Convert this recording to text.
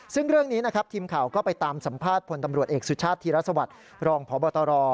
ซึ่งเรื่องนี้ทีมข่าวก็ไปตามสัมภาพผลตำรวจเอกสุธชาติธรรภาพรองค์พบต